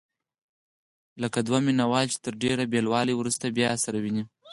لکه دوه مینه وال چې تر ډېر بېلوالي وروسته بیا سره ویني.